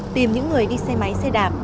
tìm những người đi xe máy xe đạp